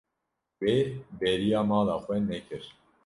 Wê bêriya mala xwe nekir.